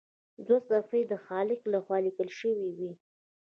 دوه صفحې یې د خالق لخوا لیکل شوي وي.